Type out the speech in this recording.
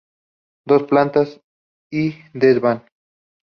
Dos plantas y desván.